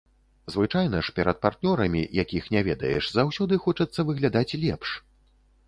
Звычайна ж перад партнёрамі, якіх не ведаеш, заўсёды хочацца выглядаць лепш.